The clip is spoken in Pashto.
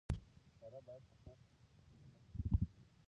سره باید په کلک خج وېل شي.